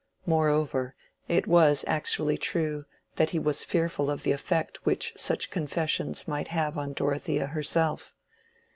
Moreover, it was actually true that he was fearful of the effect which such confessions might have on Dorothea herself.